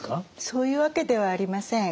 そういうわけではありません。